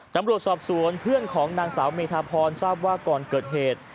ตำรวจสอบสวนเพื่อนของนางสาวเมธาพรทราบว่าก่อนเกิดเหตุ